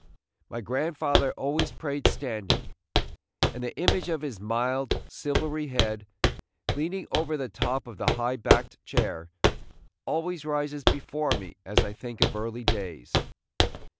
My grandfather always prayed standing, and the image of his mild, silvery head, leaning over the top of the high backed chair, always rises before me as I think of early days.